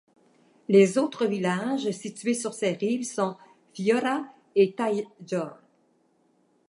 Les autres villages situés sur ses rives sont Fjøra et Tafjord.